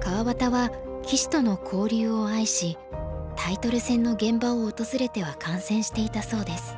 川端は棋士との交流を愛しタイトル戦の現場を訪れては観戦していたそうです。